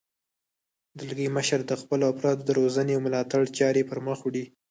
دلګی مشر د خپلو افرادو د روزنې او ملاتړ چارې پرمخ وړي.